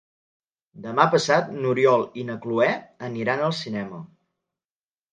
Demà passat n'Oriol i na Cloè aniran al cinema.